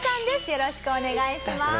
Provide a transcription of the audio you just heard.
よろしくお願いします。